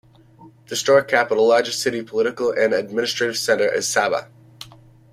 The historic capital, largest city, political and administrative centre is Sabha.